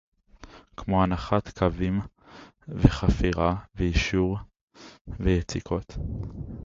כמו הנחת קווים וחפירה ויישור ויציקות